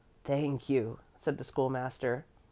"Thank you," said the School master.